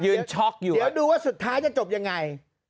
เดี๋ยวดูว่าสุดท้ายจะจบยังไง